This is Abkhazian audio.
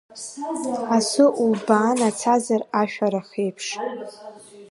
Асы улбаанацазар ашәарах еиԥш?